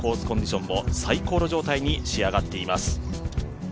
コンディションも最高の状態に仕上がっています。